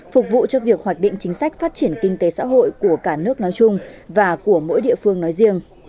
phục vụ cho việc hoạch định chính sách phát triển kinh tế xã hội của cả nước nói chung và của mỗi địa phương nói riêng